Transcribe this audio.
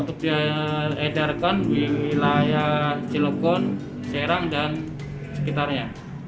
untuk diadarkan di wilayah cilokon serang dan sekitarnya